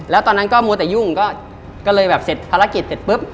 แล้วตอนนั้นก็มัวแต่ยุ่งก็เลยแบบเสร็จภารกิจเสร็จปุ๊บ